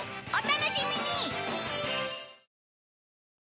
お楽しみに！